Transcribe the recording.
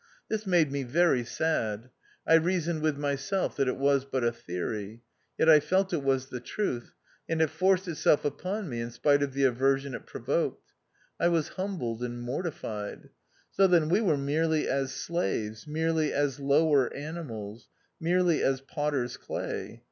This made me very sad. I reasoned with myself that it was but a theory ; yet I felt it was the truth, and it forced itself upon me in spite of the aversion it provoked. I was humbled and mortified. So then we were merely as slaves, merely as lower animals, merely as potters' clay